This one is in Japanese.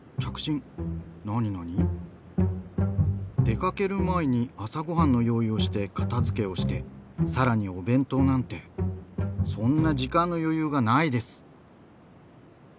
「出かける前に朝ごはんの用意をして片付けをしてさらにお弁当なんてそんな時間の余裕がないです」。